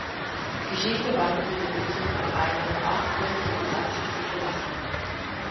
Die Schiffe waren für den Betrieb mit einer nur achtköpfigen Besatzung zugelassen.